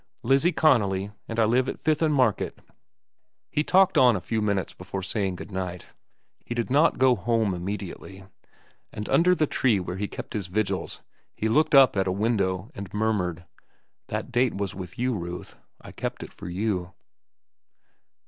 "Lizzie Connolly. And I live at Fifth an' Market." He talked on a few minutes before saying good night. He did not go home immediately; and under the tree where he kept his vigils he looked up at a window and murmured: "That date was with you, Ruth. I kept it for you."